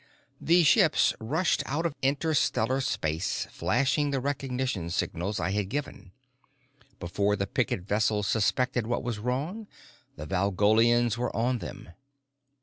The ships rushed out of interstellar space, flashing the recognition signals I had given. Before the picket vessels suspected what was wrong, the Valgolians were on them.